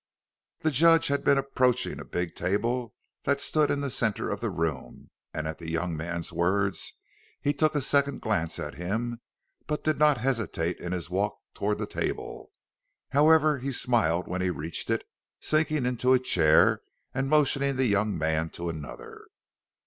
The judge had been approaching a big table that stood in the center of the room and at the young man's words he took a second glance at him, but did not hesitate in his walk toward the table. However, he smiled when he reached it, sinking into a chair and motioning the young man to another.